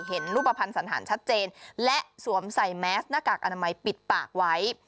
เห็นรูปภัณฑ์สันหารชัดเจนและสวมใส่แมสหน้ากากอนามัยปิดปากไว้